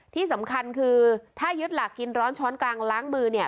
ที่สำคัญคือถ้ายึดหลักกินร้อนช้อนกลางล้างมือเนี่ย